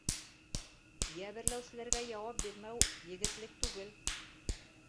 Йәберләүселәргә яуап бирмәү егетлек түгел!